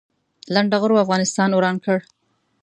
لنډغرو افغانستان وران کړ